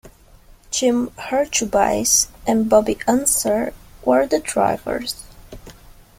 Jim Hurtubise and Bobby Unser were the drivers.